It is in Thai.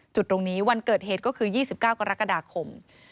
จุดตรงนี้วันเกิดเหตุก็คือ๒๙กรกฎาคม